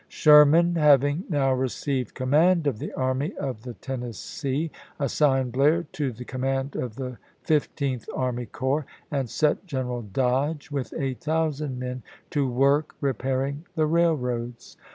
Sherman, having now received command of the Army of the Tennessee, assigned Blair to the com mand of the Fifteenth Army Corps and set Gen eral Dodge, with 8000 men, to work repairing the railroads.